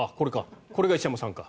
これが石山さんか。